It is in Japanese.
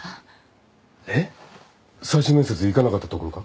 最終面接行かなかったところか？